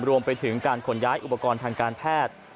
รวมไปถึงการขนย้ายอุปกรณ์ทางการแพทย์